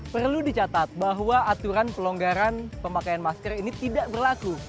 perlu dicatat bahwa aturan pelonggaran pemakaian masker ini tidak berlaku